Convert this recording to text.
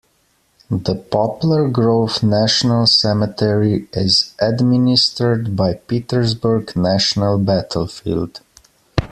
The Poplar Grove National Cemetery is administered by Petersburg National Battlefield.